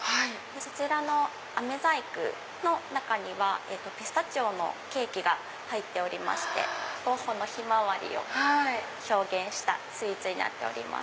そちらのアメ細工の中にはピスタチオのケーキが入っておりましてゴッホの『ひまわり』を表現したスイーツになっております。